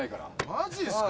マジですか？